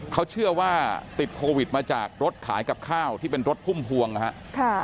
เขาเชื่อว่าติดโควิดมาจากรถขายกับข้าวที่เป็นรถพุ่มพวงนะครับ